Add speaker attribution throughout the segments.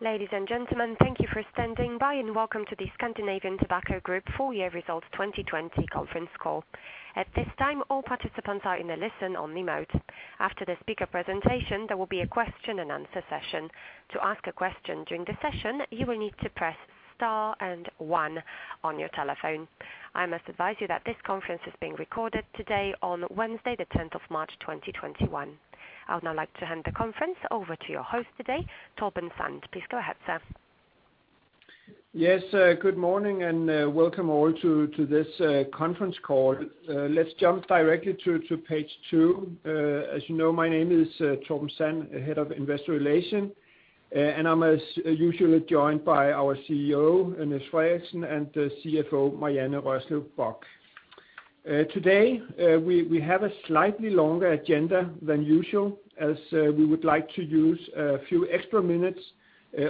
Speaker 1: Ladies and gentlemen, thank you for standing by and welcome to the Scandinavian Tobacco Group Full Year Results 2020 conference call. At this time, all participants are in a listen-only mode. After the speaker presentation, there will be a question and answer session. To ask a question during the session, you will need to press star and one on your telephone. I must advise you that this conference is being recorded today on Wednesday, the 10th of March 2021. I would now like to hand the conference over to your host today, Torben Sand. Please go ahead, sir.
Speaker 2: Yes, good morning and welcome all to this conference call. Let's jump directly to page two. As you know, my name is Torben Sand, Head of Investor Relations, and I'm as usually joined by our CEO, Niels Frederiksen, and CFO, Marianne Rørslev Bock. Today, we have a slightly longer agenda than usual as we would like to use a few extra minutes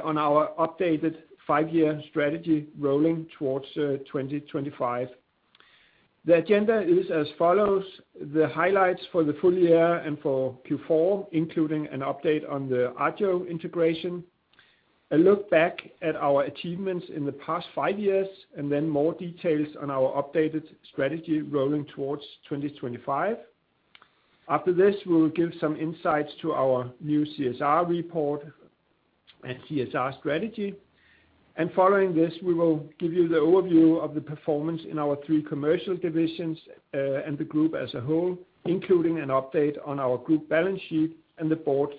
Speaker 2: on our updated five-year strategy Rolling Towards 2025. The agenda is as follows: The highlights for the full year and for Q4, including an update on the Agio integration. A look back at our achievements in the past five years. Then more details on our updated strategy Rolling Towards 2025. After this, we'll give some insights to our new CSR report and CSR strategy. Following this, we will give you the overview of the performance in our three commercial divisions, and the group as a whole, including an update on our group balance sheet and the board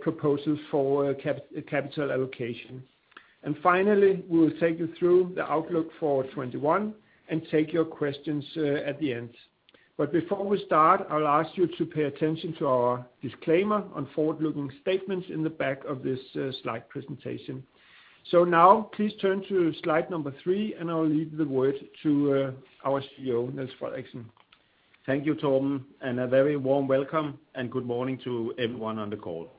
Speaker 2: proposal for capital allocation. Finally, we will take you through the outlook for 2021 and take your questions at the end. Before we start, I'll ask you to pay attention to our disclaimer on forward-looking statements in the back of this slide presentation. Now please turn to slide number three, and I'll leave the word to our CEO, Niels Frederiksen.
Speaker 3: Thank you, Torben, and a very warm welcome and good morning to everyone on the call.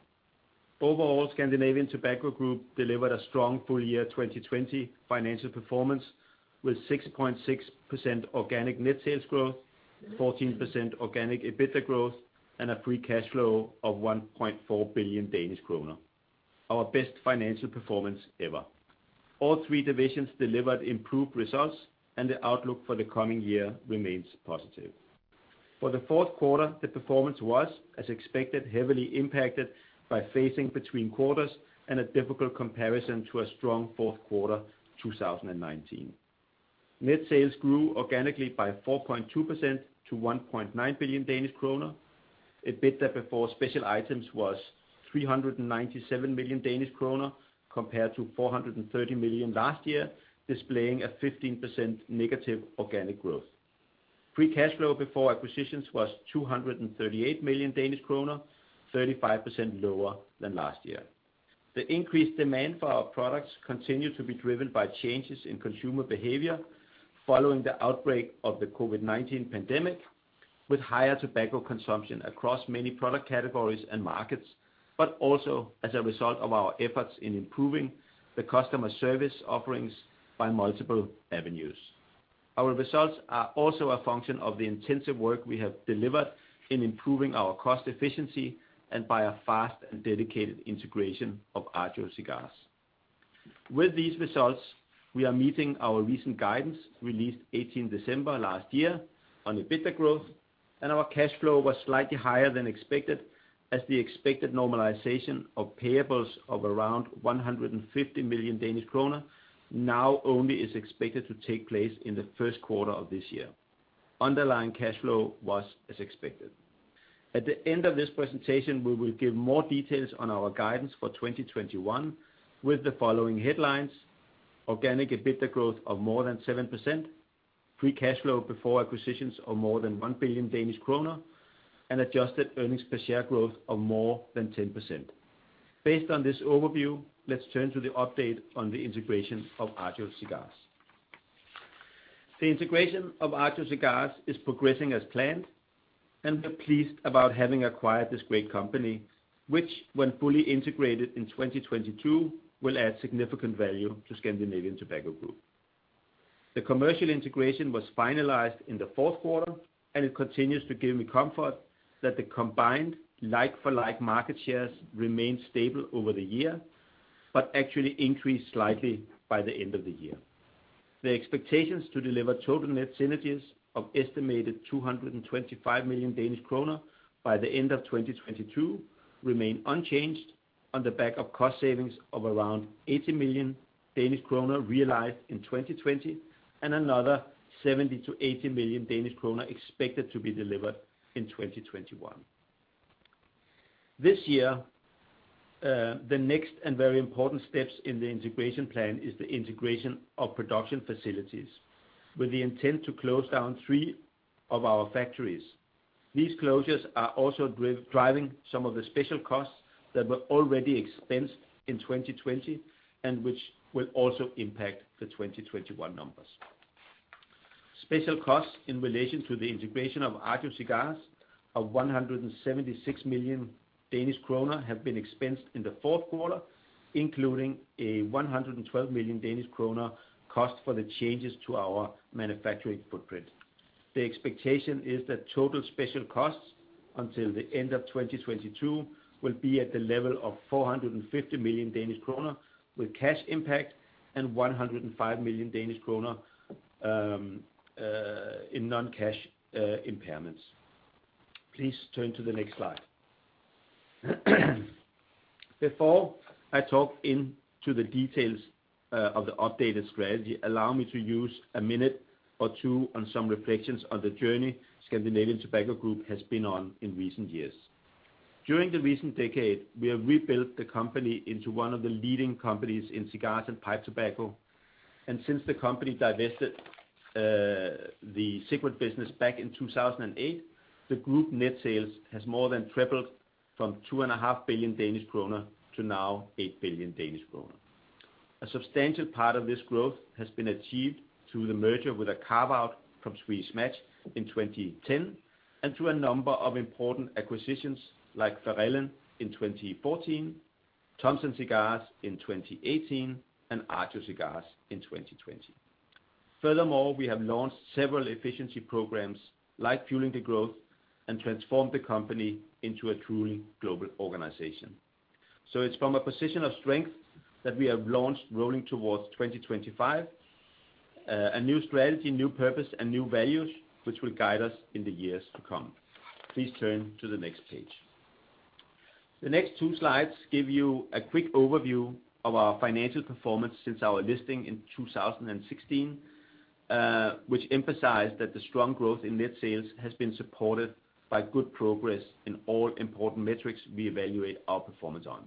Speaker 3: Overall, Scandinavian Tobacco Group delivered a strong full year 2020 financial performance with 6.6% organic net sales growth, 14% organic EBITDA growth, and a free cash flow of 1.4 billion Danish kroner. Our best financial performance ever. All three divisions delivered improved results, and the outlook for the coming year remains positive. For the fourth quarter, the performance was, as expected, heavily impacted by phasing between quarters and a difficult comparison to a strong fourth quarter 2019. Net sales grew organically by 4.2% to 1.9 billion Danish kroner. EBITDA before special items was 397 million Danish kroner compared to 430 million last year, displaying a 15% negative organic growth. Free cash flow before acquisitions was 238 million Danish kroner, 35% lower than last year. The increased demand for our products continued to be driven by changes in consumer behavior following the outbreak of the COVID-19 pandemic, with higher tobacco consumption across many product categories and markets, but also as a result of our efforts in improving the customer service offerings by multiple avenues. Our results are also a function of the intensive work we have delivered in improving our cost efficiency and by a fast and dedicated integration of Agio Cigars. With these results, we are meeting our recent guidance, released 18 December last year on EBITDA growth, and our cash flow was slightly higher than expected as the expected normalization of payables of around 150 million Danish kroner now only is expected to take place in the first quarter of this year. Underlying cash flow was as expected. At the end of this presentation, we will give more details on our guidance for 2021 with the following headlines: Organic EBITDA growth of more than 7%, free cash flow before acquisitions of more than 1 billion Danish kroner, and adjusted earnings per share growth of more than 10%. Based on this overview, let's turn to the update on the integration of Agio Cigars. The integration of Agio Cigars is progressing as planned, and we're pleased about having acquired this great company, which, when fully integrated in 2022, will add significant value to Scandinavian Tobacco Group. The commercial integration was finalized in the fourth quarter, and it continues to give me comfort that the combined like-for-like market shares remained stable over the year but actually increased slightly by the end of the year. The expectations to deliver total net synergies of an estimated 225 million Danish kroner by the end of 2022 remain unchanged on the back of cost savings of around 80 million Danish kroner realized in 2020 and another 70 million-80 million Danish kroner expected to be delivered in 2021. This year, the next and very important steps in the integration plan is the integration of production facilities with the intent to close down three of our factories. These closures are also driving some of the special costs that were already expensed in 2020 and which will also impact the 2021 numbers. Special costs in relation to the integration of Agio Cigars of 176 million Danish kroner have been expensed in the fourth quarter, including a 112 million Danish kroner cost for the changes to our manufacturing footprint. The expectation is that total special costs until the end of 2022 will be at the level of 450 million Danish kroner with cash impact and 105 million Danish kroner in non-cash impairments. Please turn to the next slide. Before I talk into the details of the updated strategy, allow me to use a minute or two on some reflections on the journey Scandinavian Tobacco Group has been on in recent years. During the recent decade, we have rebuilt the company into one of the leading companies in cigars and pipe tobacco. Since the company divested the cigarette business back in 2008, the group net sales has more than tripled from two and a half billion DKK to now 8 billion Danish kroner. A substantial part of this growth has been achieved through the merger with a carve-out from Swedish Match in 2010 and through a number of important acquisitions like Verellen in 2014, Thompson Cigar in 2018, and Agio Cigars in 2020. Furthermore, we have launched several efficiency programs like Fueling the Growth and transformed the company into a truly global organization. It's from a position of strength that we have launched Rolling Towards 2025, a new strategy, new purpose, and new values, which will guide us in the years to come. Please turn to the next page. The next two slides give you a quick overview of our financial performance since our listing in 2016, which emphasized that the strong growth in net sales has been supported by good progress in all important metrics we evaluate our performance on.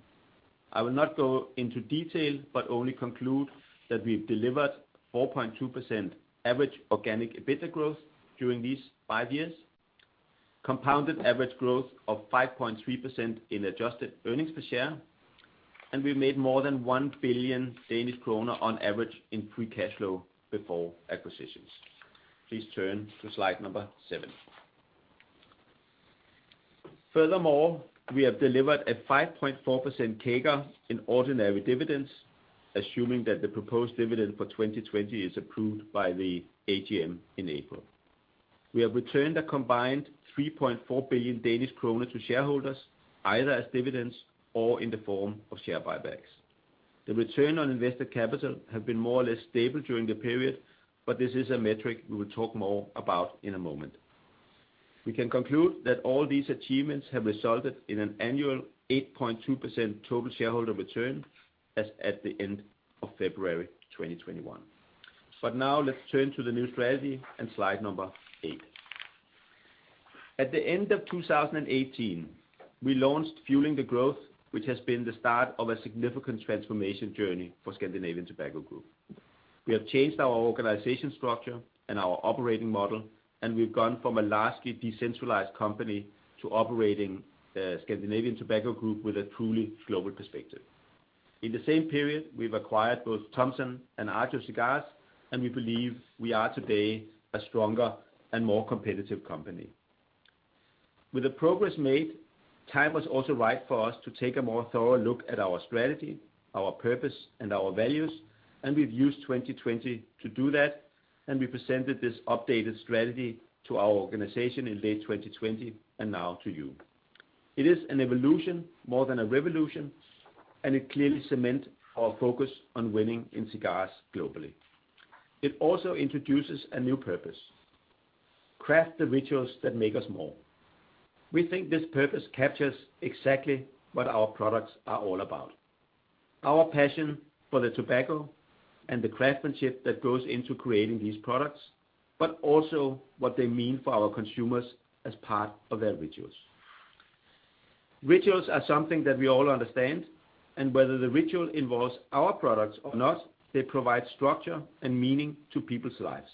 Speaker 3: I will not go into detail, only conclude that we've delivered 4.2% average organic EBITDA growth during these five years, compounded average growth of 5.3% in adjusted earnings per share. We've made more than 1 billion Danish kroner on average in free cash flow before acquisitions. Please turn to slide number seven. Furthermore, we have delivered a 5.4% CAGR in ordinary dividends, assuming that the proposed dividend for 2020 is approved by the AGM in April. We have returned a combined 3.4 billion Danish kroner to shareholders, either as dividends or in the form of share buybacks. The return on invested capital have been more or less stable during the period, this is a metric we will talk more about in a moment. We can conclude that all these achievements have resulted in an annual 8.2% total shareholder return as at the end of February 2021. Now let's turn to the new strategy and slide number eight. At the end of 2018, we launched Fueling the Growth, which has been the start of a significant transformation journey for Scandinavian Tobacco Group. We have changed our organization structure and our operating model, we've gone from a largely decentralized company to operating Scandinavian Tobacco Group with a truly global perspective. In the same period, we've acquired both Thompson Cigar and Agio Cigars, we believe we are today a stronger and more competitive company. With the progress made, time was also right for us to take a more thorough look at our strategy, our purpose, and our values, we've used 2020 to do that, we presented this updated strategy to our organization in late 2020, now to you. It is an evolution more than a revolution, it clearly cements our focus on winning in cigars globally. It also introduces a new purpose, craft the rituals that make us more. We think this purpose captures exactly what our products are all about. Our passion for the tobacco and the craftsmanship that goes into creating these products, also what they mean for our consumers as part of their rituals. Rituals are something that we all understand, whether the ritual involves our products or not, they provide structure and meaning to people's lives.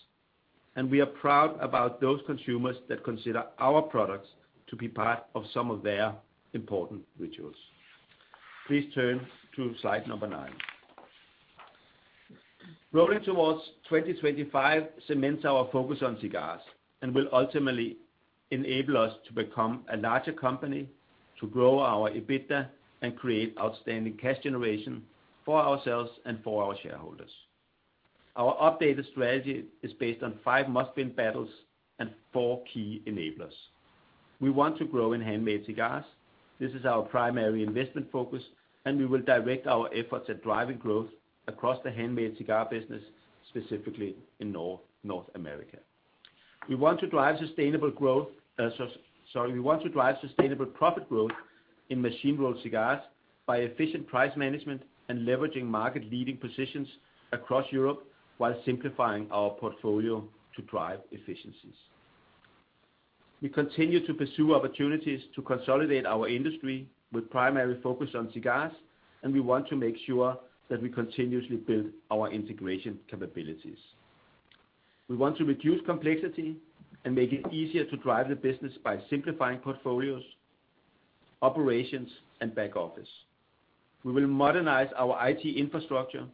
Speaker 3: We are proud about those consumers that consider our products to be part of some of their important rituals. Please turn to slide number nine. Rolling Towards 2025 cements our focus on cigars and will ultimately enable us to become a larger company, to grow our EBITDA, and create outstanding cash generation for ourselves and for our shareholders. Our updated strategy is based on five must-win battles and four key enablers. We want to grow in handmade cigars. This is our primary investment focus. We will direct our efforts at driving growth across the handmade cigar business, specifically in North America. We want to drive sustainable profit growth in machine-rolled cigars by efficient price management and leveraging market-leading positions across Europe while simplifying our portfolio to drive efficiencies. We continue to pursue opportunities to consolidate our industry with primary focus on cigars. We want to make sure that we continuously build our integration capabilities. We want to reduce complexity and make it easier to drive the business by simplifying portfolios, operations, and back office. We will modernize our IT infrastructure,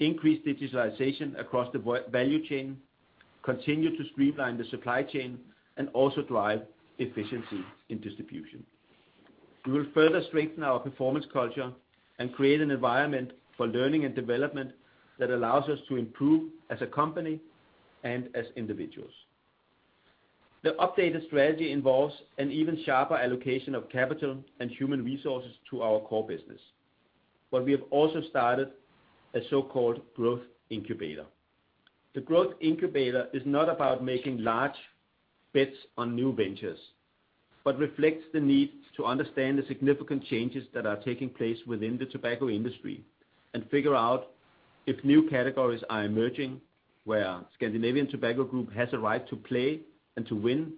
Speaker 3: increase digitalization across the value chain, continue to streamline the supply chain, also drive efficiency in distribution. We will further strengthen our performance culture and create an environment for learning and development that allows us to improve as a company and as individuals. The updated strategy involves an even sharper allocation of capital and human resources to our core business. We have also started a so-called growth incubator. The growth incubator is not about making large bets on new ventures, but reflects the need to understand the significant changes that are taking place within the tobacco industry, and figure out if new categories are emerging where Scandinavian Tobacco Group has a right to play and to win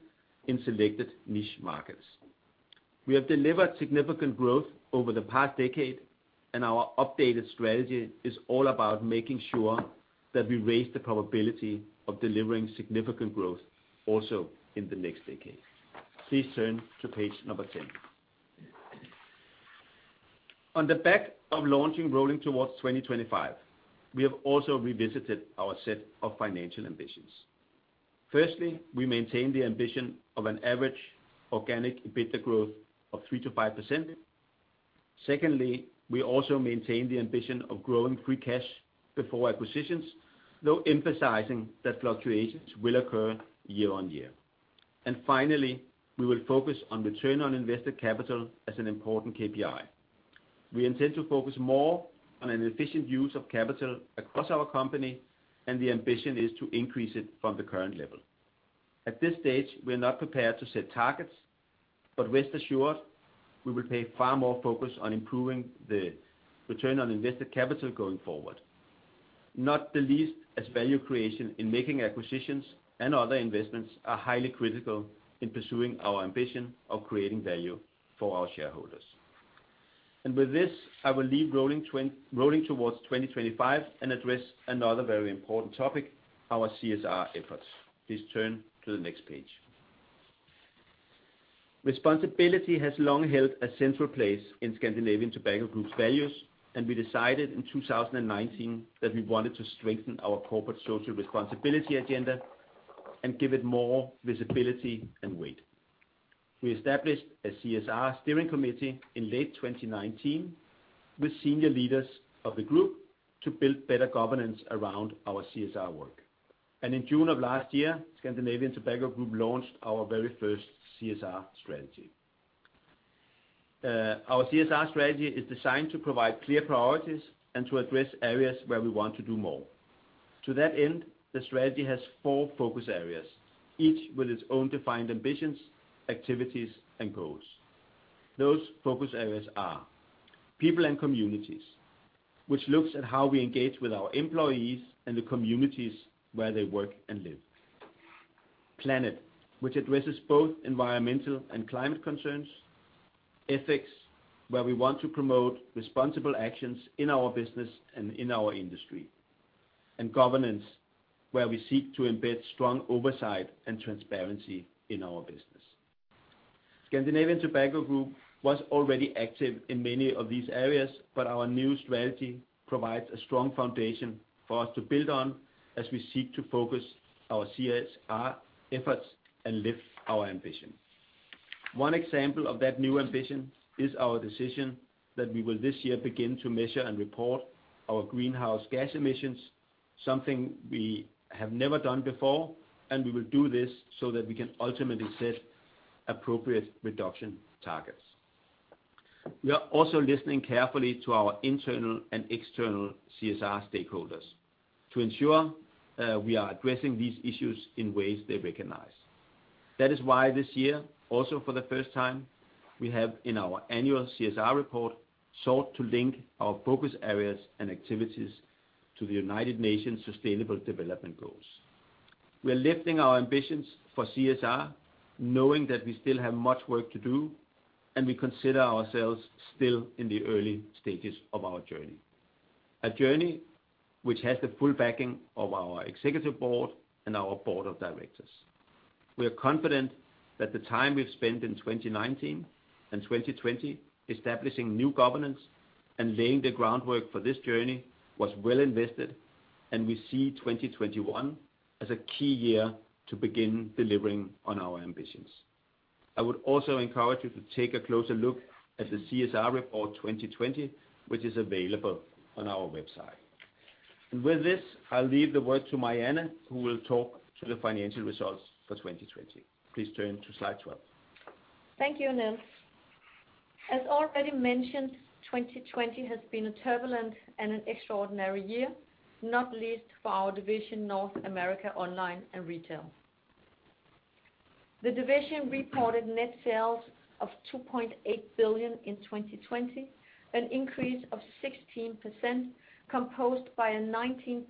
Speaker 3: in selected niche markets. We have delivered significant growth over the past decade. Our updated strategy is all about making sure that we raise the probability of delivering significant growth also in the next decade. Please turn to page number 10. On the back of launching Rolling Towards 2025, we have also revisited our set of financial ambitions. Firstly, we maintain the ambition of an average organic EBITDA growth of 3%-5%. Secondly, we also maintain the ambition of growing free cash before acquisitions, though emphasizing that fluctuations will occur year-on-year. Finally, we will focus on return on invested capital as an important KPI. We intend to focus more on an efficient use of capital across our company. The ambition is to increase it from the current level. At this stage, we are not prepared to set targets. Rest assured, we will pay far more focus on improving the return on invested capital going forward. Not the least as value creation in making acquisitions and other investments are highly critical in pursuing our ambition of creating value for our shareholders. With this, I will leave Rolling Towards 2025 and address another very important topic, our CSR efforts. Please turn to the next page. Responsibility has long held a central place in Scandinavian Tobacco Group's values. We decided in 2019 that we wanted to strengthen our corporate social responsibility agenda and give it more visibility and weight. We established a CSR steering committee in late 2019 with senior leaders of the group to build better governance around our CSR work. In June of last year, Scandinavian Tobacco Group launched our very first CSR strategy. Our CSR strategy is designed to provide clear priorities and to address areas where we want to do more. To that end, the strategy has four focus areas, each with its own defined ambitions, activities, and goals. Those focus areas are: people and communities, which looks at how we engage with our employees and the communities where they work and live; planet, which addresses both environmental and climate concerns; ethics, where we want to promote responsible actions in our business and in our industry; and governance, where we seek to embed strong oversight and transparency in our business. Scandinavian Tobacco Group was already active in many of these areas, but our new strategy provides a strong foundation for us to build on as we seek to focus our CSR efforts and lift our ambition. One example of that new ambition is our decision that we will this year begin to measure and report our greenhouse gas emissions, something we have never done before. We will do this so that we can ultimately set appropriate reduction targets. We are also listening carefully to our internal and external CSR stakeholders to ensure we are addressing these issues in ways they recognize. That is why this year, also for the first time, we have in our annual CSR report, sought to link our focus areas and activities to the United Nations Sustainable Development Goals. We are lifting our ambitions for CSR, knowing that we still have much work to do. We consider ourselves still in the early stages of our journey. A journey which has the full backing of our executive board and our board of directors. We are confident that the time we've spent in 2019 and 2020 establishing new governance and laying the groundwork for this journey was well invested. We see 2021 as a key year to begin delivering on our ambitions. I would also encourage you to take a closer look at the CSR Report 2020, which is available on our website. With this, I'll leave the word to Marianne, who will talk to the financial results for 2020. Please turn to slide 12.
Speaker 4: Thank you, Niels. As already mentioned, 2020 has been a turbulent and an extraordinary year, not least for our division North America Online and Retail. The division reported net sales of 2.8 billion in 2020, an increase of 16%, composed by a 19%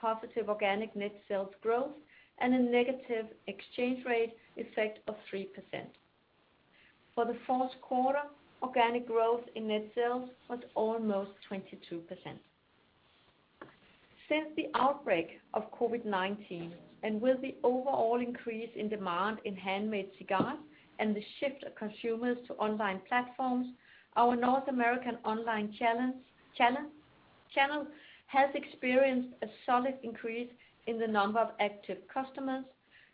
Speaker 4: positive organic net sales growth and a negative exchange rate effect of 3%. For the fourth quarter, organic growth in net sales was almost 22%. Since the outbreak of COVID-19, and with the overall increase in demand in handmade cigars and the shift of consumers to online platforms our North American online channel has experienced a solid increase in the number of active customers,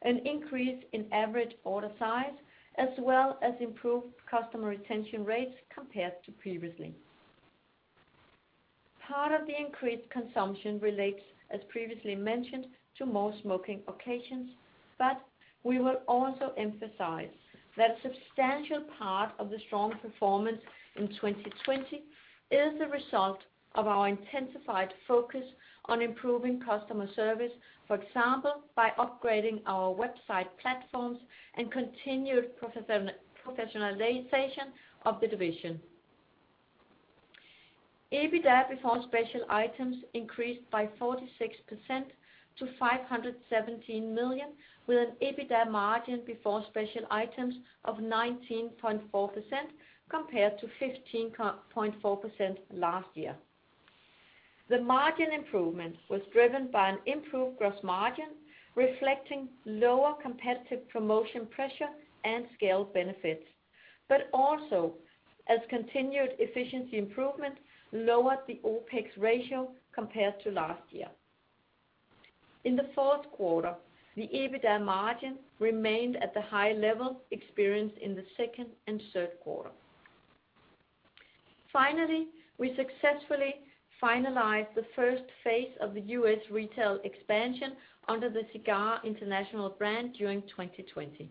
Speaker 4: an increase in average order size, as well as improved customer retention rates compared to previously. Part of the increased consumption relates, as previously mentioned, to more smoking occasions. We will also emphasize that substantial part of the strong performance in 2020 is the result of our intensified focus on improving customer service. For example, by upgrading our website platforms and continued professionalization of the division. EBITDA before special items increased by 46% to 517 million, with an EBITDA margin before special items of 19.4% compared to 15.4% last year. The margin improvement was driven by an improved gross margin, reflecting lower competitive promotion pressure and scale benefits, but also as continued efficiency improvements lowered the OPEX ratio compared to last year. In the fourth quarter, the EBITDA margin remained at the high level experienced in the second and third quarter. Finally, we successfully finalized the first phase of the U.S. retail expansion under the Cigars International brand during 2020.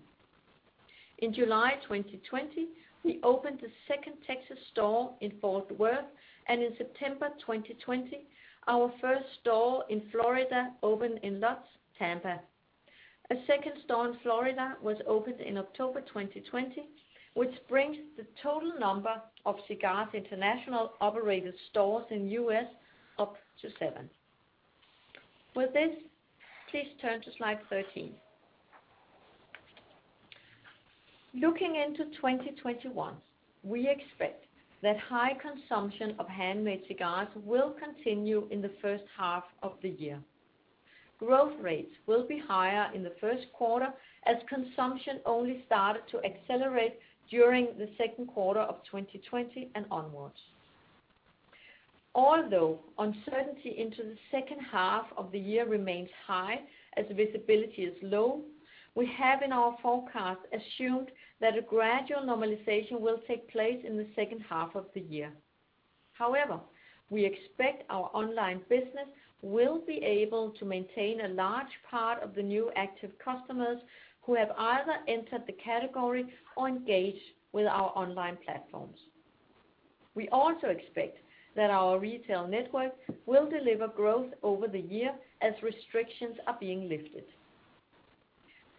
Speaker 4: In July 2020, we opened the second Texas store in Fort Worth, and in September 2020, our first store in Florida opened in Lutz, Tampa. A second store in Florida was opened in October 2020, which brings the total number of Cigars International operated stores in the U.S. up to seven. With this, please turn to slide 13. Looking into 2021, we expect that high consumption of handmade cigars will continue in the first half of the year. Growth rates will be higher in the first quarter, as consumption only started to accelerate during the second quarter of 2020 and onwards. Although uncertainty into the second half of the year remains high as visibility is low, we have, in our forecast, assumed that a gradual normalization will take place in the second half of the year. However, we expect our online business will be able to maintain a large part of the new active customers who have either entered the category or engaged with our online platforms. We also expect that our retail network will deliver growth over the year as restrictions are being lifted.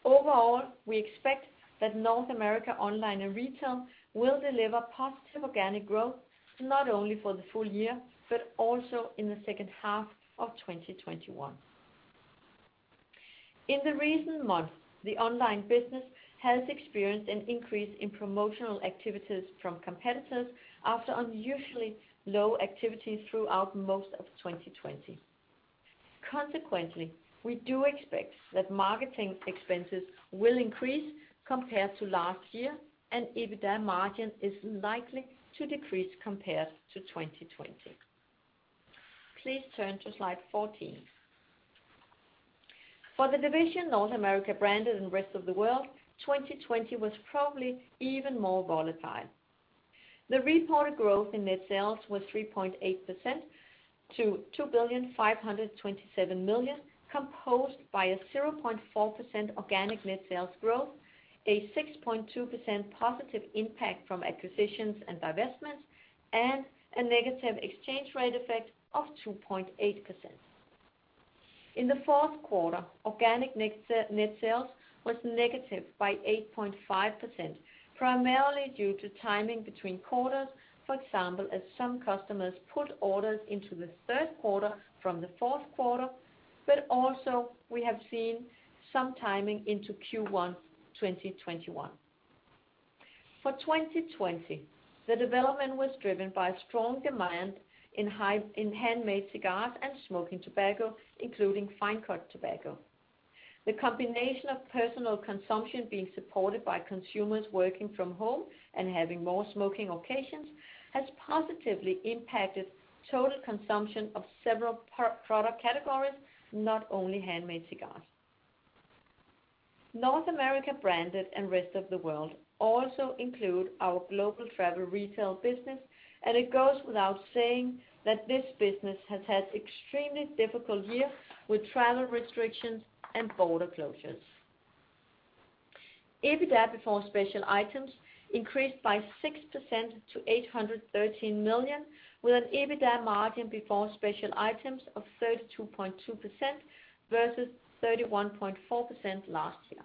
Speaker 4: Overall, we expect that North America Online and Retail will deliver positive organic growth, not only for the full year, but also in the second half of 2021. In the recent months, the online business has experienced an increase in promotional activities from competitors after unusually low activity throughout most of 2020. Consequently, we do expect that marketing expenses will increase compared to last year, and EBITDA margin is likely to decrease compared to 2020. Please turn to slide 14. For the division North America Branded and Rest of the World, 2020 was probably even more volatile. The reported growth in net sales was 3.8% to 2,527,000,000, composed of a 0.4% organic net sales growth, a 6.2% positive impact from acquisitions and divestments, and a negative exchange rate effect of 2.8%. In the fourth quarter, organic net sales was negative by 8.5%, primarily due to timing between quarters. For example, as some customers put orders into the third quarter from the fourth quarter. Also we have seen some timing into Q1 2021. For 2020, the development was driven by strong demand in handmade cigars and smoking tobacco, including fine-cut tobacco. The combination of personal consumption being supported by consumers working from home and having more smoking occasions has positively impacted total consumption of several product categories, not only handmade cigars. North America Branded and Rest of the World also include our global travel retail business, and it goes without saying that this business has had extremely difficult year with travel restrictions and border closures. EBITDA before special items increased by 6% to 813 million, with an EBITDA margin before special items of 32.2% versus 31.4% last year.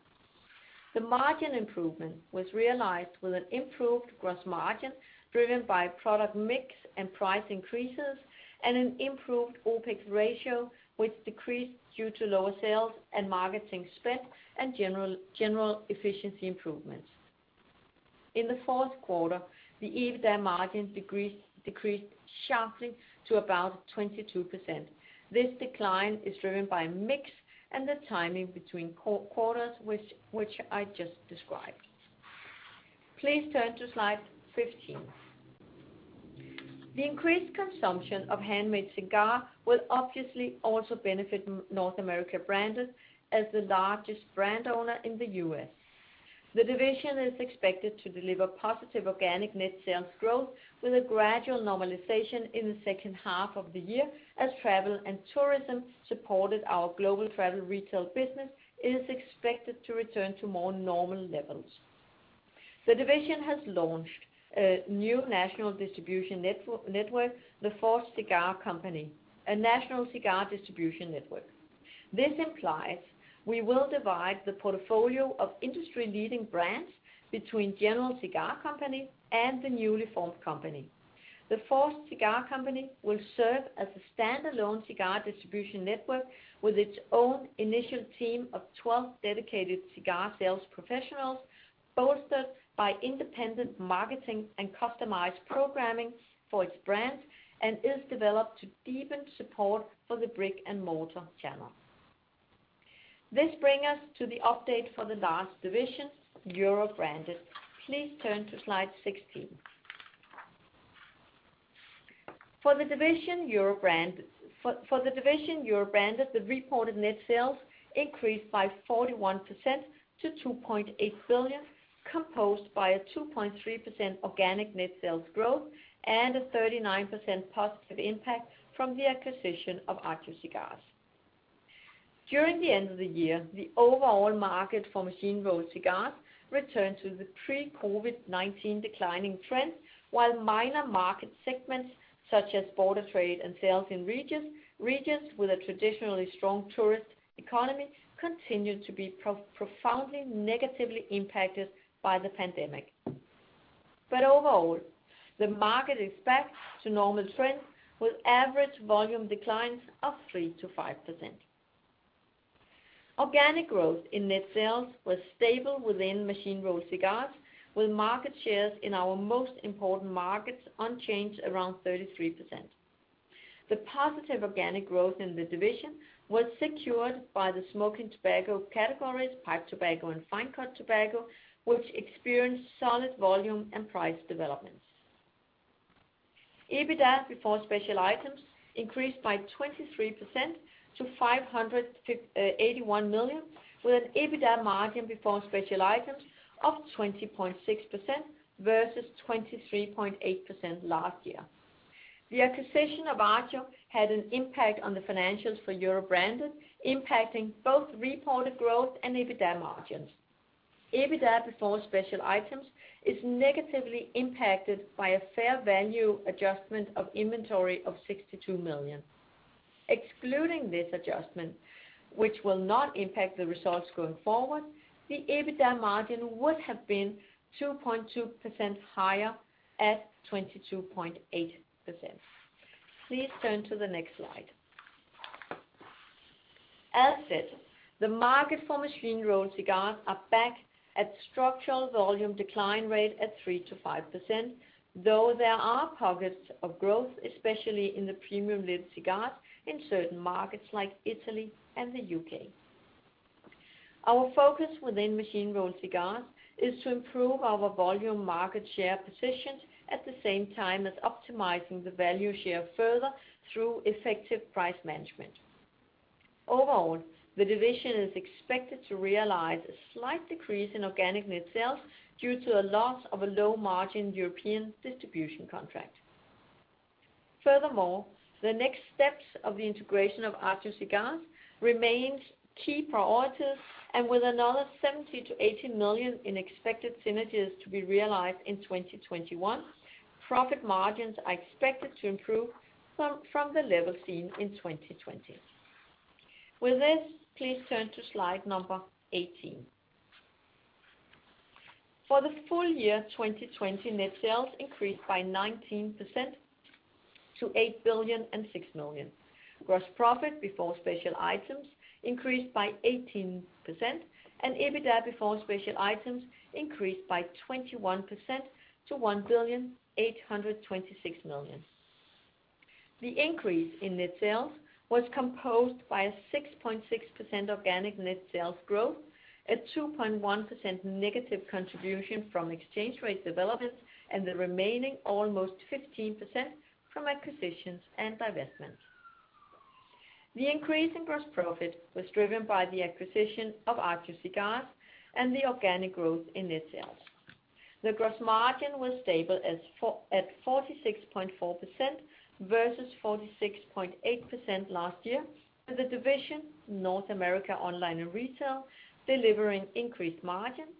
Speaker 4: The margin improvement was realized with an improved gross margin driven by product mix and price increases, and an improved OPEX ratio, which decreased due to lower sales and marketing spend and general efficiency improvements. In the fourth quarter, the EBITDA margin decreased sharply to about 22%. This decline is driven by mix and the timing between quarters, which I just described. Please turn to slide 15. The increased consumption of handmade cigars will obviously also benefit North America Branded as the largest brand owner in the U.S. The division is expected to deliver positive organic net sales growth with a gradual normalization in the second half of the year as travel and tourism supported our global travel retail business is expected to return to more normal levels. The division has launched a new national distribution network, The Forged Cigar Company, a national cigar distribution network. This implies we will divide the portfolio of industry leading brands between General Cigar Company and the newly formed company. The Forged Cigar Company will serve as a standalone cigar distribution network with its own initial team of 12 dedicated cigar sales professionals, bolstered by independent marketing and customized programming for its brands, and is developed to deepen support for the brick-and-mortar channel. This bring us to the update for the last division, Europe Branded. Please turn to slide 16. For the division Europe Branded, the reported net sales increased by 41% to 2.8 billion, composed by a 2.3% organic net sales growth and a 39% positive impact from the acquisition of Agio Cigars. During the end of the year, the overall market for machine-rolled cigars returned to the pre-COVID-19 declining trend, while minor market segments such as border trade and sales in regions with a traditionally strong tourist economy continued to be profoundly negatively impacted by the pandemic. Overall, the market is back to normal trends with average volume declines of 3%-5%. Organic growth in net sales was stable within machine-rolled cigars, with market shares in our most important markets unchanged around 33%. The positive organic growth in the division was secured by the smoking tobacco categories, pipe tobacco and fine-cut tobacco, which experienced solid volume and price developments. EBITDA before special items increased by 23% to 581 million, with an EBITDA margin before special items of 20.6% versus 23.8% last year. The acquisition of Agio had an impact on the financials for Europe Branded, impacting both reported growth and EBITDA margins. EBITDA before special items is negatively impacted by a fair value adjustment of inventory of 62 million. Excluding this adjustment, which will not impact the results going forward, the EBITDA margin would have been 2.2% higher at 22.8%. Please turn to the next slide. As said, the market for machine-rolled cigars are back at structural volume decline rate at 3%-5%, though there are pockets of growth, especially in the premium lit cigars in certain markets like Italy and the U.K. Our focus within machine-rolled cigars is to improve our volume market share positions at the same time as optimizing the value share further through effective price management. Overall, the division is expected to realize a slight decrease in organic net sales due to a loss of a low-margin European distribution contract. Furthermore, the next steps of the integration of Agio Cigars remains key priorities, and with another 70 million-80 million in expected synergies to be realized in 2021, profit margins are expected to improve from the level seen in 2020. With this, please turn to slide 18. For the full year 2020, net sales increased by 19% to 8,006 million. Gross profit before special items increased by 18%, and EBITDA before special items increased by 21% to 1,826 million. The increase in net sales was composed by a 6.6% organic net sales growth, a 2.1% negative contribution from exchange rate developments, and the remaining almost 15% from acquisitions and divestments. The increase in gross profit was driven by the acquisition of Agio Cigars and the organic growth in net sales. The gross margin was stable at 46.4% versus 46.8% last year, with the division North America Online and Retail delivering increased margins,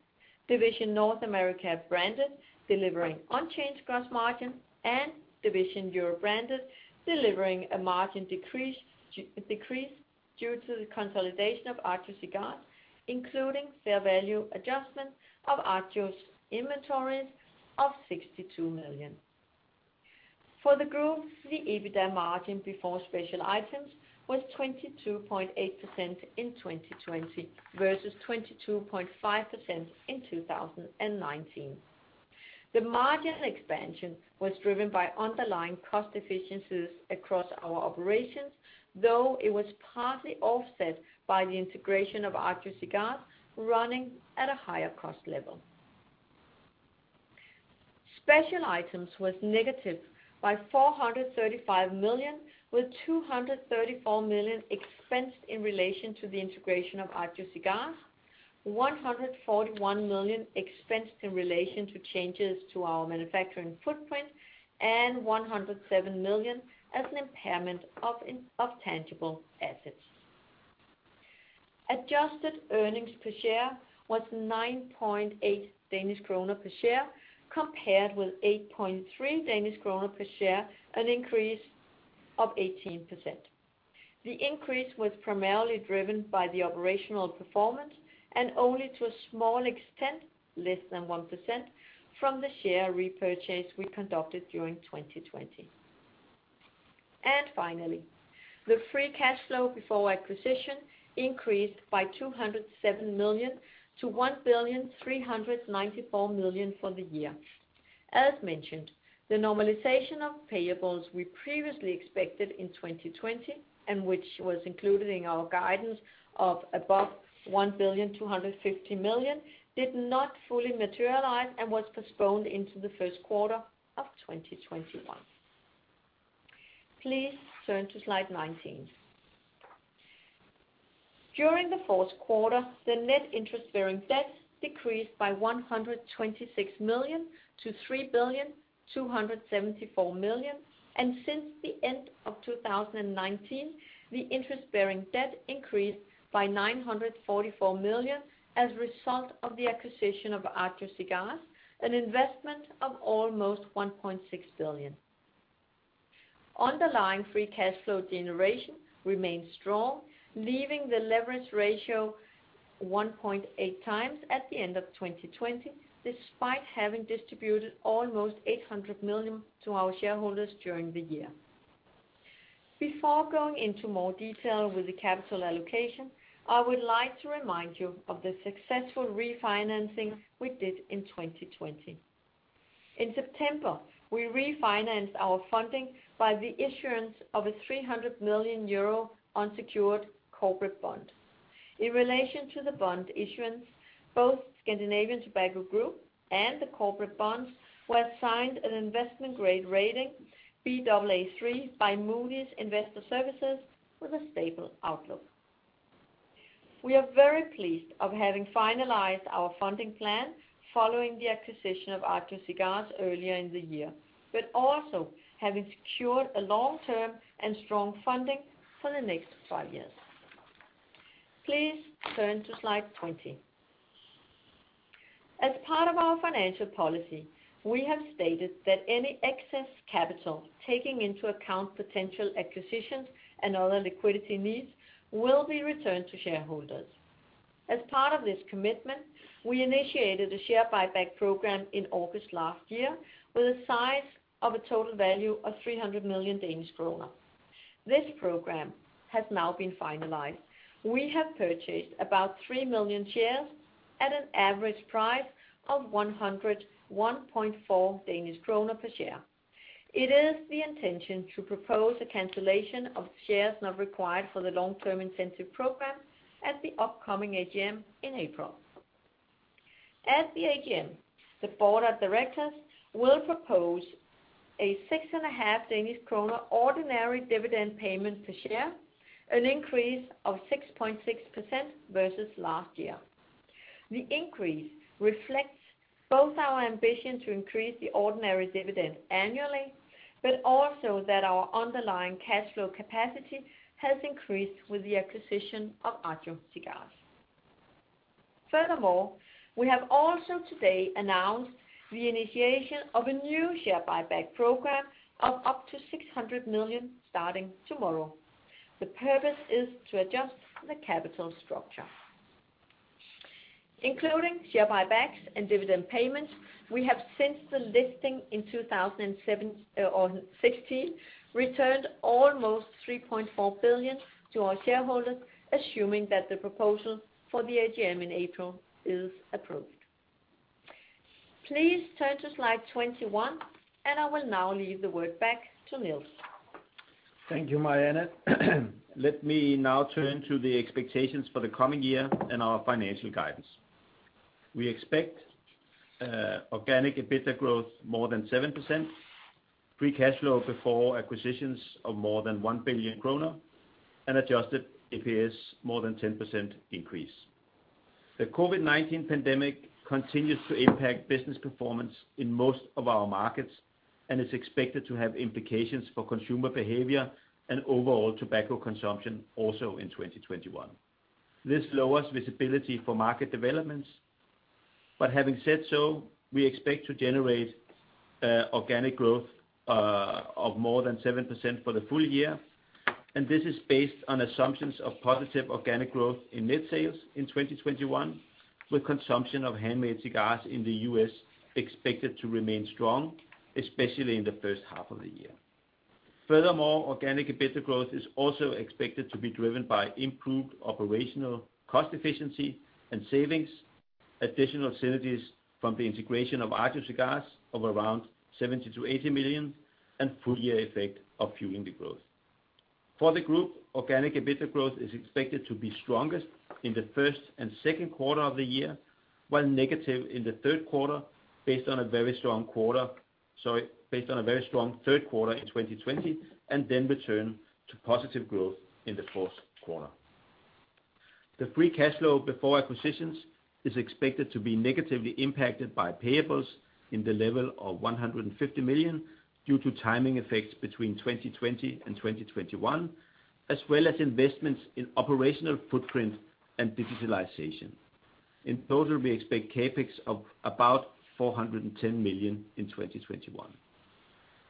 Speaker 4: division North America Branded delivering unchanged gross margin, and division Europe Branded delivering a margin decrease due to the consolidation of Agio Cigars, including fair value adjustment of Agio's inventories of 62 million. For the group, the EBITDA margin before special items was 22.8% in 2020 versus 22.5% in 2019. The margin expansion was driven by underlying cost efficiencies across our operations, though it was partly offset by the integration of Agio Cigars running at a higher cost level. Special items was negative by 435 million, with 234 million expensed in relation to the integration of Agio Cigars, 141 million expensed in relation to changes to our manufacturing footprint, and 107 million as an impairment of tangible assets. Adjusted earnings per share was 9.8 Danish kroner per share, compared with 8.3 Danish kroner per share, an increase of 18%. The increase was primarily driven by the operational performance and only to a small extent, less than 1%, from the share repurchase we conducted during 2020. Finally, the free cash flow before acquisition increased by 207 million to 1,394 million for the year. As mentioned, the normalization of payables we previously expected in 2020, and which was included in our guidance of above 1,250 million, did not fully materialize and was postponed into the first quarter of 2021. Please turn to slide 19. During the fourth quarter, the net interest-bearing debt decreased by 126 million to 3,274 million, and since the end of 2019, the interest-bearing debt increased by 944 million as a result of the acquisition of Agio Cigars, an investment of almost 1.6 billion. Underlying free cash flow generation remained strong, leaving the leverage ratio 1.8 times at the end of 2020, despite having distributed almost 800 million to our shareholders during the year. Before going into more detail with the capital allocation, I would like to remind you of the successful refinancing we did in 2020. In September, we refinanced our funding by the issuance of a 300 million euro unsecured corporate bond. In relation to the bond issuance, both Scandinavian Tobacco Group and the corporate bonds were assigned an investment-grade rating, Baa3 by Moody's Investors Service, with a stable outlook. We are very pleased of having finalized our funding plan following the acquisition of Agio Cigars earlier in the year, also having secured a long-term and strong funding for the next five years. Please turn to slide 20. As part of our financial policy, we have stated that any excess capital, taking into account potential acquisitions and other liquidity needs, will be returned to shareholders. As part of this commitment, we initiated a share buyback program in August last year with a size of a total value of 300 million Danish kroner. This program has now been finalized. We have purchased about three million shares at an average price of 101.4 Danish kroner per share. It is the intention to propose a cancellation of shares not required for the long-term incentive program at the upcoming AGM in April. At the AGM, the board of directors will propose a 6.5 Danish kroner ordinary dividend payment per share, an increase of 6.6% versus last year. The increase reflects both our ambition to increase the ordinary dividend annually, also that our underlying cash flow capacity has increased with the acquisition of Agio Cigars. Furthermore, we have also today announced the initiation of a new share buyback program of up to 600 million starting tomorrow. The purpose is to adjust the capital structure. Including share buybacks and dividend payments, we have since the listing in 2016, returned almost 3.4 billion to our shareholders, assuming that the proposal for the AGM in April is approved. Please turn to slide 21, I will now leave the word back to Niels.
Speaker 3: Thank you, Marianne. Let me now turn to the expectations for the coming year and our financial guidance. We expect organic EBITDA growth more than 7%, free cash flow before acquisitions of more than 1 billion kroner, and adjusted EPS more than 10% increase. The COVID-19 pandemic continues to impact business performance in most of our markets and is expected to have implications for consumer behavior and overall tobacco consumption also in 2021. This lowers visibility for market developments. Having said so, we expect to generate organic growth of more than 7% for the full year, and this is based on assumptions of positive organic growth in net sales in 2021, with consumption of handmade cigars in the U.S. expected to remain strong, especially in the first half of the year. Organic EBITDA growth is also expected to be driven by improved operational cost efficiency and savings, additional synergies from the integration of Agio Cigars of around 70 million-80 million, and full year effect of Fueling the Growth. For the group, organic EBITDA growth is expected to be strongest in the first and second quarter of the year, while negative in the third quarter based on a very strong third quarter in 2020, and then return to positive growth in the fourth quarter. The free cash flow before acquisitions is expected to be negatively impacted by payables in the level of 150 million, due to timing effects between 2020 and 2021, as well as investments in operational footprint and digitalization. In total, we expect CapEx of about 410 million in 2021.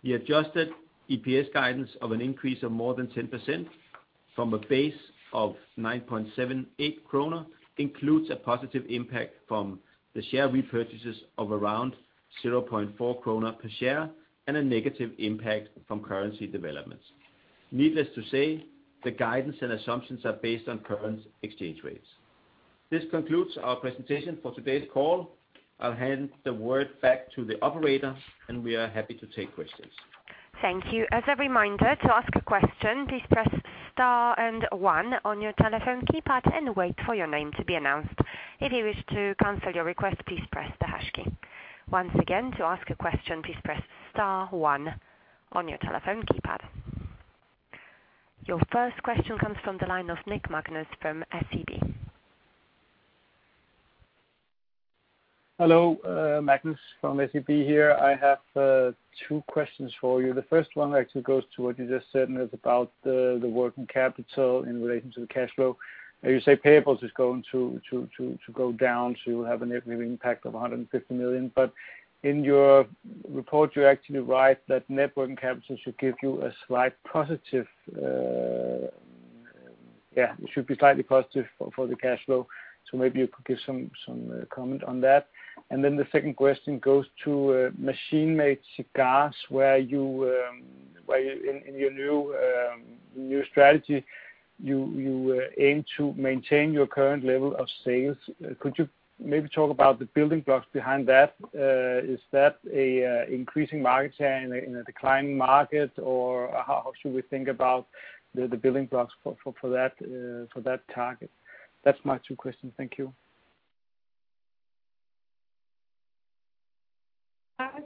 Speaker 3: The adjusted EPS guidance of an increase of more than 10% from a base of 9.78 krone includes a positive impact from the share repurchases of around 0.4 krone per share, a negative impact from currency developments. Needless to say, the guidance and assumptions are based on current exchange rates. This concludes our presentation for today's call. I'll hand the word back to the operator, and we are happy to take questions.
Speaker 1: Thank you. As a reminder, to ask a question, please press star 1 on your telephone keypad and wait for your name to be announced. If you wish to cancel your request, please press the hash key. Once again, to ask a question, please press star 1 on your telephone keypad. Your first question comes from the line of Niklas Ekman from SEB.
Speaker 5: Hello. Magnus from SEB here. I have two questions for you. The first one actually goes to what you just said, and it's about the working capital in relation to the cash flow. You say payables is going to go down to have a negative impact of 150 million. In your report, you actually write that net working capital should be slightly positive for the cash flow. Maybe you could give some comment on that. The second question goes to machine-rolled cigars, where in your new strategy, you aim to maintain your current level of sales. Could you maybe talk about the building blocks behind that? Is that an increasing market share in a declining market? Or how should we think about the building blocks for that target? That's my two questions. Thank you.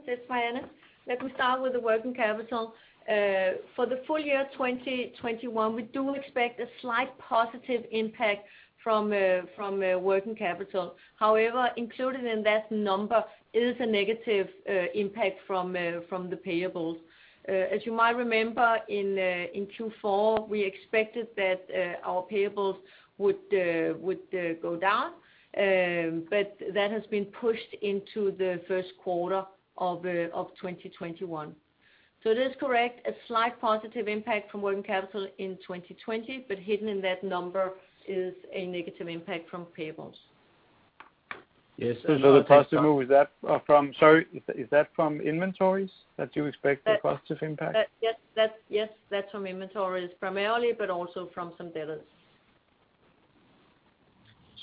Speaker 4: Hi. It's Marianne. Let me start with the working capital. For the full year 2021, we do expect a slight positive impact from working capital. However, included in that number is a negative impact from the payables. As you might remember, in Q4, we expected that our payables would go down, but that has been pushed into the first quarter of 2021. It is correct, a slight positive impact from working capital in 2020, but hidden in that number is a negative impact from payables.
Speaker 3: Yes.
Speaker 5: The positive, sorry, is that from inventories that you expect a positive impact?
Speaker 4: Yes. That's from inventories primarily, but also from some debtors.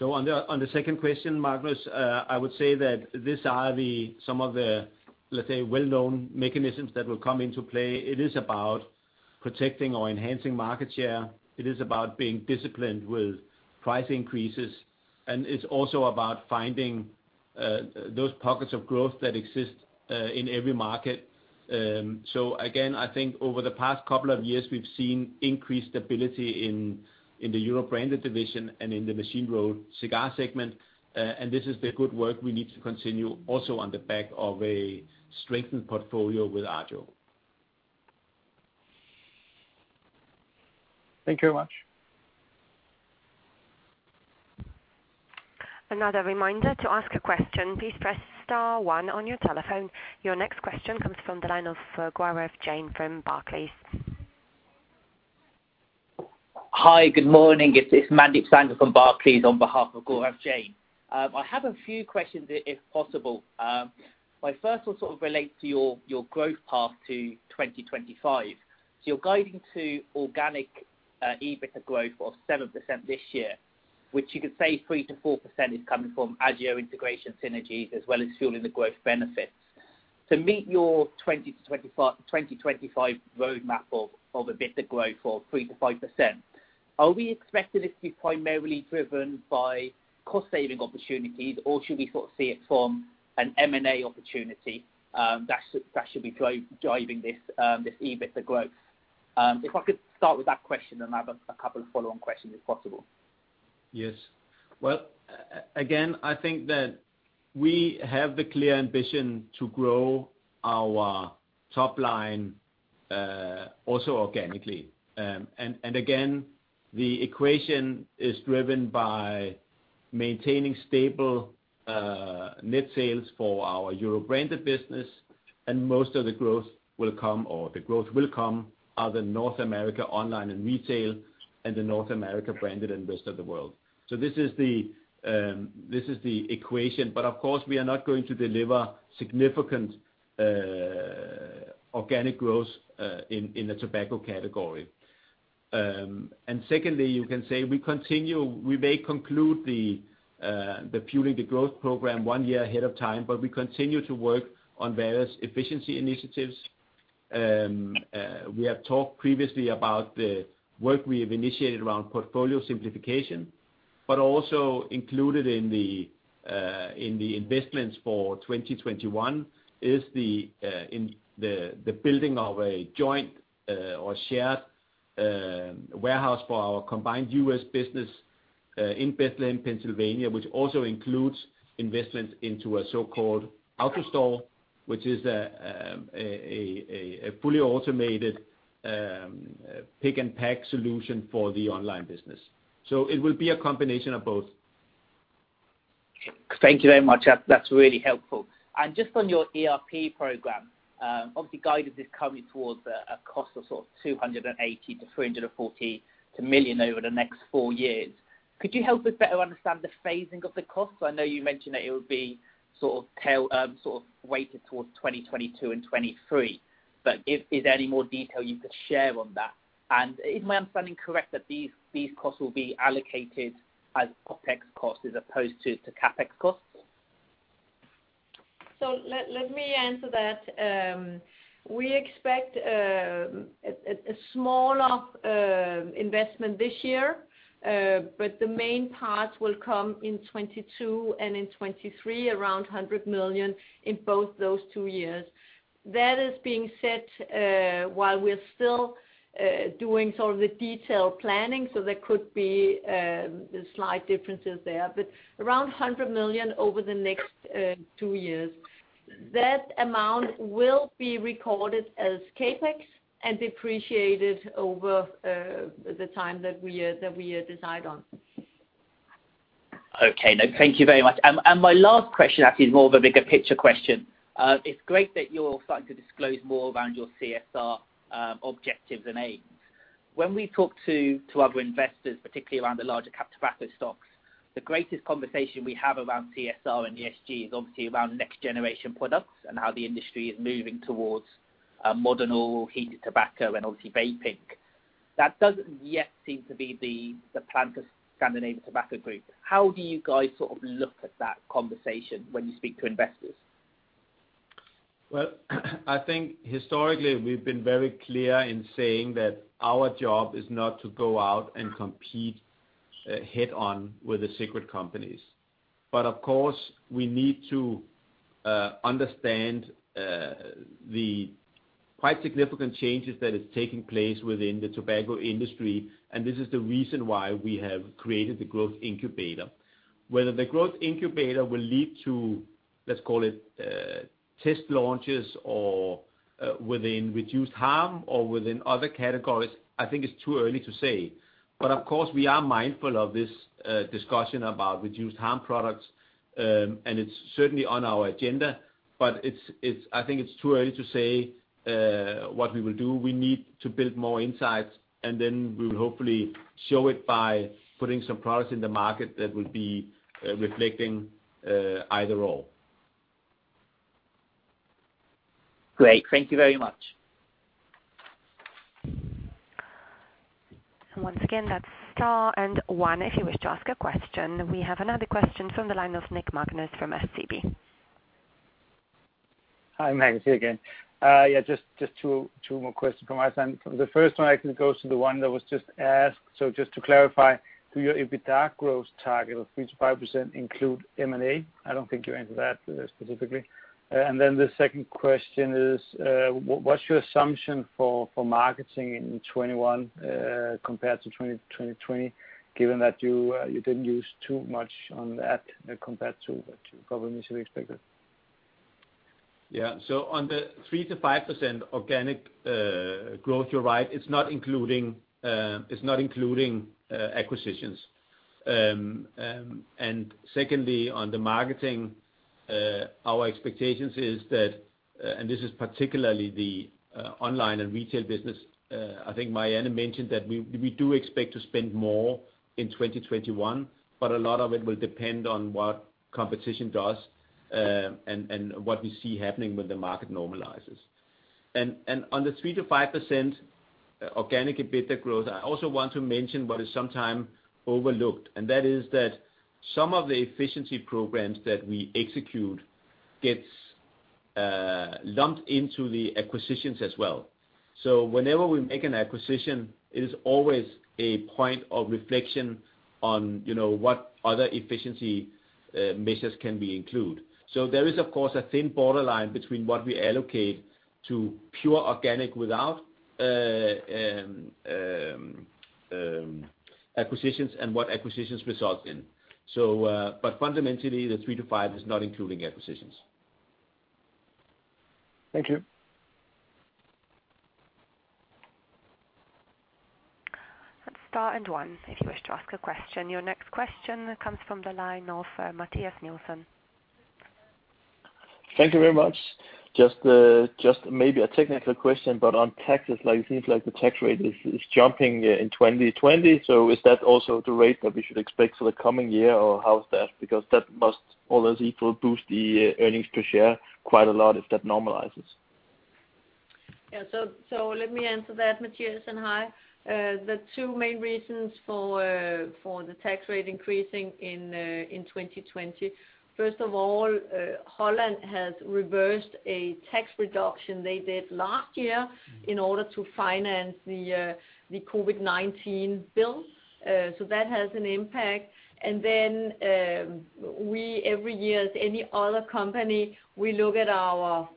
Speaker 3: On the second question, Magnus, I would say that these are some of the, let's say, well-known mechanisms that will come into play. It is about protecting or enhancing market share. It is about being disciplined with price increases. It's also about finding those pockets of growth that exist in every market. Again, I think over the past couple of years, we've seen increased stability in the Europe Branded division and in the machine-rolled cigar segment. This is the good work we need to continue also on the back of a strengthened portfolio with Agio.
Speaker 5: Thank you very much.
Speaker 1: Another reminder to ask a question, please press star 1 on your telephone. Your next question comes from the line of Gaurav Jain from Barclays.
Speaker 6: Hi, good morning. It's Mandeep Singh from Barclays on behalf of Gaurav Jain. I have a few questions, if possible. My first one sort of relates to your growth path to 2025. You're guiding to organic EBITDA growth of 7% this year, which you could say 3%-4% is coming from Agio integration synergies as well as Fueling the Growth benefits. To meet your 2025 roadmap of EBITDA growth of 3%-5%, are we expecting this to be primarily driven by cost-saving opportunities, or should we sort of see it from an M&A opportunity that should be driving this EBITDA growth? If I could start with that question and have a couple of follow-on questions, if possible.
Speaker 3: Yes. Well, again, I think that we have the clear ambition to grow our top line also organically. Again, the equation is driven by maintaining stable net sales for our Europe Branded business, and most of the growth will come out of North America Online and Retail and the North America Branded and Rest of the World. This is the equation, but of course, we are not going to deliver significant organic growth in the tobacco category. Secondly, you can say we may conclude the Fueling the Growth program one year ahead of time, but we continue to work on various efficiency initiatives. We have talked previously about the work we have initiated around portfolio simplification, but also included in the investments for 2021 is the building of a joint or shared warehouse for our combined U.S. business in Bethlehem, Pennsylvania, which also includes investments into a so-called AutoStore, which is a fully automated pick-and-pack solution for the online business. It will be a combination of both.
Speaker 6: Thank you very much. That's really helpful. Just on your ERP program, obviously guidance is coming towards a cost of sort of 280 million to 340 million over the next four years. Could you help us better understand the phasing of the costs? I know you mentioned that it would be weighted towards 2022 and 2023, but is there any more detail you could share on that? Is my understanding correct that these costs will be allocated as OPEX costs as opposed to CapEx costs?
Speaker 4: Let me answer that. We expect a small investment this year, but the main part will come in 2022 and in 2023, around 100 million in both those two years. That is being said, while we're still doing the detailed planning, there could be slight differences there, but around 100 million over the next two years. That amount will be recorded as CapEx and depreciated over the time that we decide on.
Speaker 6: Okay. No, thank you very much. My last question actually is more of a bigger picture question. It's great that you're starting to disclose more around your CSR objectives and aims. When we talk to other investors, particularly around the larger cap tobacco stocks, the greatest conversation we have around CSR and ESG is obviously around next generation products and how the industry is moving towards modern or heated tobacco and obviously vaping. That doesn't yet seem to be the plan for Scandinavian Tobacco Group. How do you guys look at that conversation when you speak to investors?
Speaker 3: Well, I think historically we've been very clear in saying that our job is not to go out and compete head on with the cigarette companies. Of course, we need to understand the quite significant changes that is taking place within the tobacco industry, and this is the reason why we have created the growth incubator. Whether the growth incubator will lead to, let's call it, test launches or within reduced harm or within other categories, I think it's too early to say. Of course, we are mindful of this discussion about reduced harm products, and it's certainly on our agenda, but I think it's too early to say what we will do. We need to build more insights, and then we will hopefully show it by putting some products in the market that will be reflecting either or.
Speaker 6: Great. Thank you very much.
Speaker 1: Once again, that's star and one, if you wish to ask a question. We have another question from the line of Niklas Ekman from SEB.
Speaker 5: Hi, Magnus here again. Yeah, just two more questions from my side. The first one actually goes to the one that was just asked, so just to clarify, do your EBITDA growth target of 3%-5% include M&A? I don't think you answered that specifically. The second question is, what's your assumption for marketing in 2021 compared to 2020, given that you didn't use too much on that compared to what you probably initially expected?
Speaker 3: Yeah. On the 3%-5% organic growth, you're right, it's not including acquisitions. Secondly, on the marketing, our expectations is that, and this is particularly the online and retail business, I think Marianne mentioned that we do expect to spend more in 2021, but a lot of it will depend on what competition does, and what we see happening when the market normalizes. On the 3%-5% organic EBITDA growth, I also want to mention what is sometimes overlooked, and that is that some of the efficiency programs that we execute gets lumped into the acquisitions as well. Whenever we make an acquisition, it is always a point of reflection on what other efficiency measures can we include. There is of course, a thin borderline between what we allocate to pure organic without acquisitions and what acquisitions result in. Fundamentally, the 3%-5% is not including acquisitions.
Speaker 5: Thank you.
Speaker 1: That's star and one, if you wish to ask a question. Your next question comes from the line of Mathias Nielsen.
Speaker 7: Thank you very much. Just maybe a technical question, but on taxes, it seems like the tax rate is jumping in 2020. Is that also the rate that we should expect for the coming year, or how is that? Because that must all else equal, boost the earnings per share quite a lot if that normalizes.
Speaker 4: Yeah. Let me answer that, Mathias and Hi. The two main reasons for the tax rate increasing in 2020. First of all, Holland has reversed a tax reduction they did last year in order to finance the COVID-19 bills. That has an impact. Then we, every year, as any other company, we look at our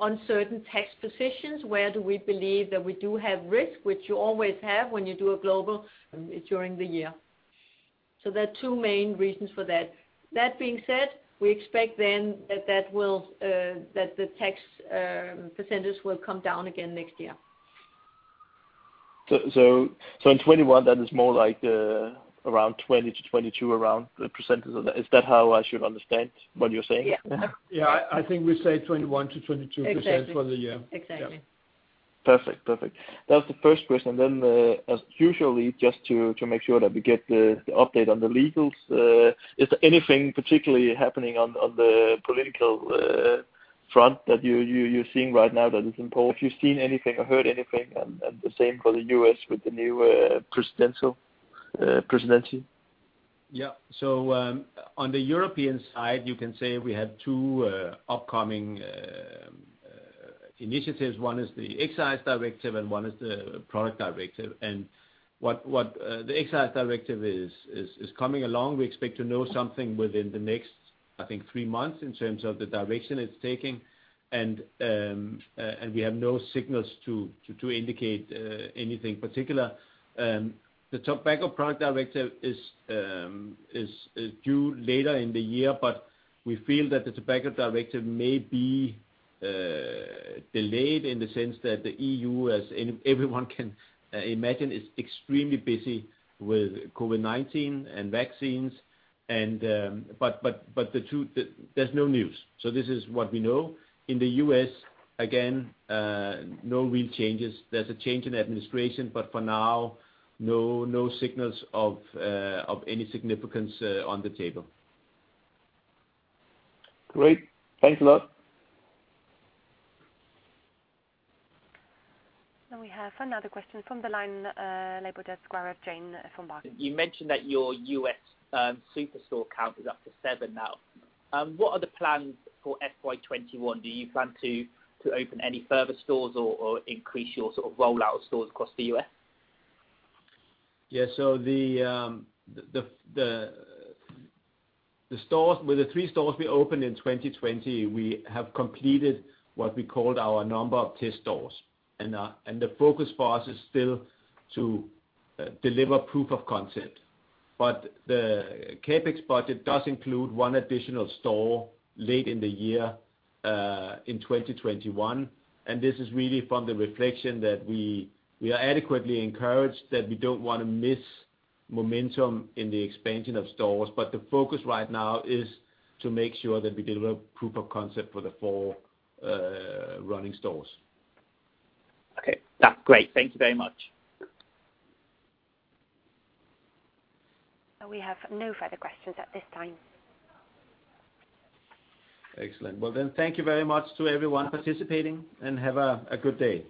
Speaker 4: uncertain tax positions, where do we believe that we do have risk, which you always have when you do a global during the year. There are two main reasons for that. That being said, we expect then that the tax percentage will come down again next year.
Speaker 7: In 2021, that is more like around 20%-22% around the percentage. Is that how I should understand what you're saying?
Speaker 4: Yeah.
Speaker 3: Yeah. I think we say 21%-22%-
Speaker 4: Exactly
Speaker 3: for the year.
Speaker 4: Exactly.
Speaker 7: Perfect. That was the first question. As usual, just to make sure that we get the update on the legals. Is there anything particularly happening on the political front that you're seeing right now that is important? If you've seen anything or heard anything, and the same for the U.S. with the new presidency?
Speaker 3: On the European side, you can say we have two upcoming initiatives. One is the excise directive and one is the product directive. The excise directive is coming along. We expect to know something within the next, I think, three months in terms of the direction it's taking. We have no signals to indicate anything particular. The tobacco product directive is due later in the year, but we feel that the tobacco directive may be delayed in the sense that the EU, as everyone can imagine, is extremely busy with COVID-19 and vaccines. There's no news. This is what we know. In the U.S., again, no real changes. There's a change in administration, but for now, no signals of any significance on the table.
Speaker 7: Great. Thanks a lot.
Speaker 1: We have another question from the line, London desk, Gaurav Jain from Barclays.
Speaker 6: You mentioned that your U.S. superstore count is up to seven now. What are the plans for FY 2021? Do you plan to open any further stores or increase your sort of rollout of stores across the U.S.?
Speaker 3: Yeah, with the three stores we opened in 2020, we have completed what we called our number of test stores. The focus for us is still to deliver proof of concept. The CapEx budget does include one additional store late in the year in 2021, and this is really from the reflection that we are adequately encouraged that we don't want to miss momentum in the expansion of stores. The focus right now is to make sure that we deliver proof of concept for the four running stores.
Speaker 6: Okay. That's great. Thank you very much.
Speaker 1: We have no further questions at this time.
Speaker 3: Excellent. Well, thank you very much to everyone participating, and have a good day.